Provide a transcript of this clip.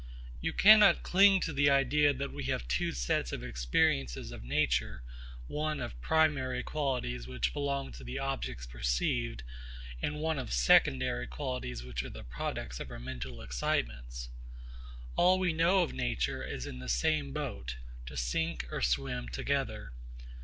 You cannot cling to the idea that we have two sets of experiences of nature, one of primary qualities which belong to the objects perceived, and one of secondary qualities which are the products of our mental excitements. All we know of nature is in the same boat, to sink or swim together.